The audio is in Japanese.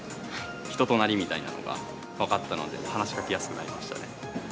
人となりみたいなのが分かったので、話しかけやすくなりましたね。